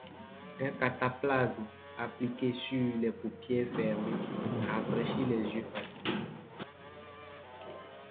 Un cataplasme appliqué sur les paupières fermées rafraîchit les yeux fatigués.